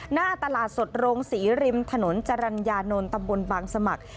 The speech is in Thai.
หน้าตลาดสดโรงศรีริมถนนจรรยานนท์ตำบลบางสมัคร